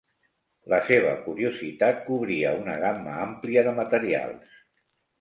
La seva curiositat cobria una gamma àmplia de materials.